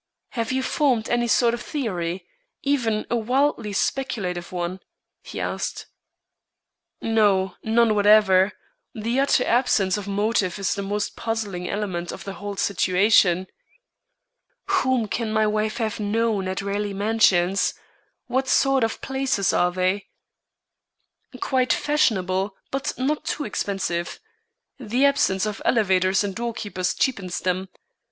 "Have you formed any sort of theory, even a wildly speculative one?" he asked. "No; none whatever. The utter absence of motive is the most puzzling element of the whole situation." "Whom can my wife have known at Raleigh Mansions? What sort of places are they?" "Quite fashionable, but not too expensive. The absence of elevators and doorkeepers cheapens them.